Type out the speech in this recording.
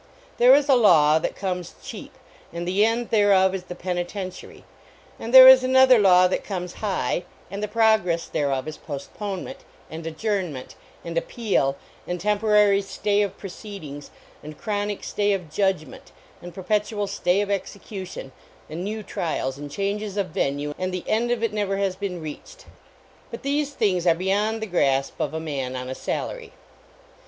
Then 19 a law that COmeS cheap. and the end thereof i the penitentiary; and there is another law that comes high, and 139 A NEIGHBORLY NEIGHBORHOOD the progress thereof is postponement, and adjournment, and appeal, and temporary stay of proceedings, and chronic stay of judg ment, and perpetual stay of execution, and new trials and changes of venue and the end of it never has been reached ; but these things are beyond the grasp of a man on a salary.